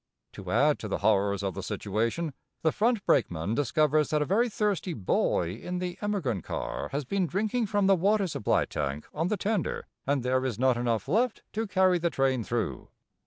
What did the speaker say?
To add to the horrors of the situation, the front brakeman discovers that a very thirsty boy in the emigrant car has been drinking from the water supply tank on the tender, and there is not enough left to carry the train through.